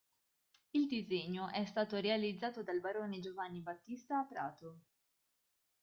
Il disegno è stato realizzato dal barone Giovanni Battista a Prato.